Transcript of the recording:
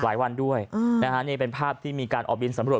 วันด้วยนะฮะนี่เป็นภาพที่มีการออกบินสำรวจ